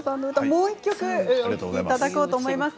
もう１曲歌っていただこうと思います。